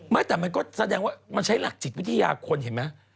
ไม่แต่มันก็แสดงว่ามันใช้หลักจิตวิทยาคนเห็นไหม